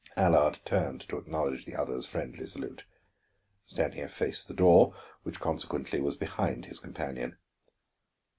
Allard turned to acknowledge the other's friendly salute. Stanief faced the door, which consequently was behind his companion.